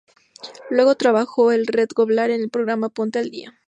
Luego, trabajó en Red Global con el programa "Ponte al día".